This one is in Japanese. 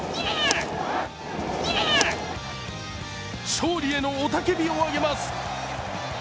勝利への雄たけびを上げます。